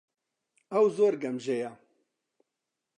ئەو زۆر گەمژەیە.